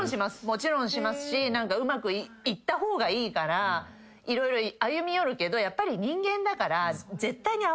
もちろんしますしうまくいった方がいいから色々歩み寄るけどやっぱり人間だから。